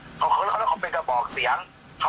แม่ยังคงมั่นใจและก็มีความหวังในการทำงานของเจ้าหน้าที่ตำรวจค่ะ